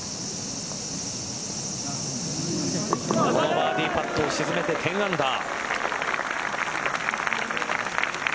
バーディーパットを沈めて１０アンダー。